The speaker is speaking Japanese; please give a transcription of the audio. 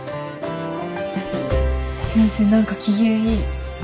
先生何か機嫌いい。